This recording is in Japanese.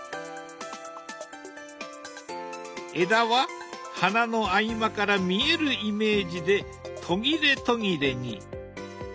枝は花の合間から見えるイメージで途切れ途切れに。